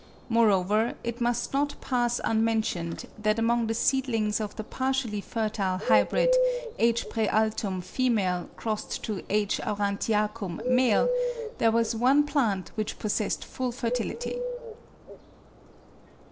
Moreover it must not pass unmentioned that among the seedlings of the partially fertile hybrid H. praealtum $ x H. aurantiacum $ there was one plant which possessed full fertility.